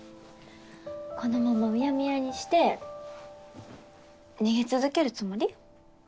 このままうやむやにして逃げ続けるつもり？